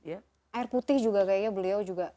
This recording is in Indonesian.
air putih juga kayaknya beliau juga